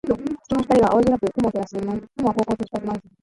月の光が青白く雲を照らしています。雲はこうこうと光ります。